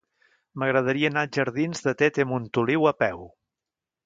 M'agradaria anar als jardins de Tete Montoliu a peu.